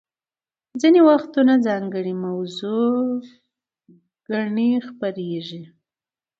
ځینې وختونه ځانګړې موضوعي ګڼې خپریږي.